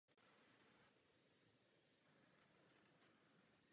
Seniorskou kariéru začal v týmu Swift Current Broncos ve Western Hockey League.